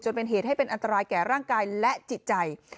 เป็นเหตุให้เป็นอันตรายแก่ร่างกายและจิตใจ